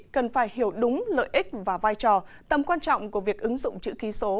cần phải hiểu đúng lợi ích và vai trò tầm quan trọng của việc ứng dụng chữ ký số